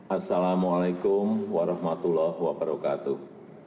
assalamu alaikum warahmatullahi wabarakatuh